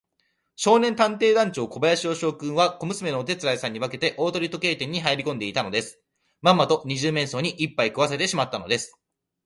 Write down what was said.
少年探偵団長小林芳雄君は、小娘のお手伝いさんに化けて、大鳥時計店にはいりこんでいたのです。まんまと二十面相にいっぱい食わせてしまったのです。